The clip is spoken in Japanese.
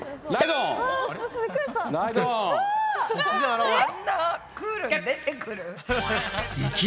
あんなクールに出てくる？